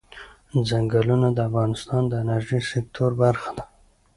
ځنګلونه د افغانستان د انرژۍ سکتور برخه ده.